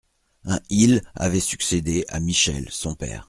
un Il avait succédé à Michel son père.